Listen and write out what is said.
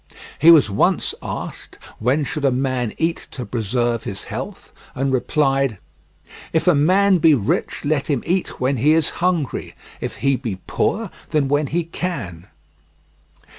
He was once asked when should a man eat to preserve his health, and replied: "If the man be rich let him eat when he is hungry; if he be poor, then when he can."